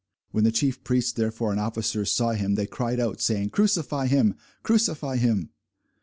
When the chief priests therefore and officers saw him, they cried out, saying, Crucify him, crucify him.